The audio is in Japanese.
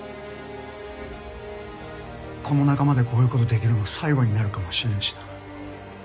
この仲間でこういう事できるの最後になるかもしれんしな。